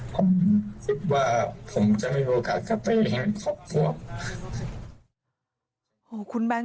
ผมคิดว่าผมจะไม่มีโอกาสจะไปเห็นข้อปลับ